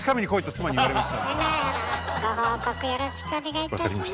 ご報告よろしくお願いいたします。